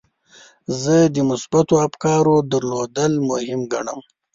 زه د مثبتو افکارو درلودل مهم ګڼم.